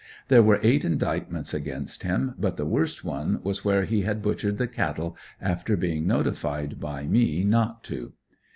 There were eight indictments against him, but the worst one was where he had butchered the cattle after being notified by me not to.